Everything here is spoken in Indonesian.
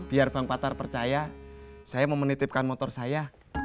biar bang patar percaya saya mau menitipkan motor saya